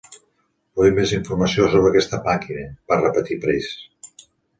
"Vull més informació sobre aquesta màquina", va repetir Price.